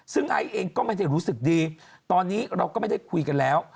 ซึ่งไอซ์เองก็ไม่ได้รู้สึกดีตอนนี้เราก็ไม่ได้คุยกันแล้ว